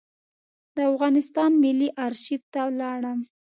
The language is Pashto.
د افغانستان ملي آرشیف ته ولاړم.